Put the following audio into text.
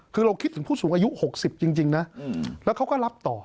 คือเราคิดถึงผู้สูงอายุ๖๐จริงนะแล้วเขาก็รับต่อ